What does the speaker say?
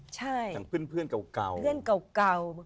ใช่เพื่อนเก่า